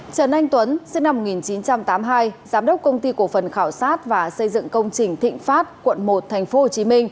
trần anh tuấn sinh năm một nghìn chín trăm tám mươi hai giám đốc công ty cổ phần khảo sát và xây dựng công trình thịnh pháp quận một tp hcm